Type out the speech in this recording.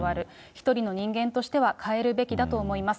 一人の人間としては、変えるべきだと思います。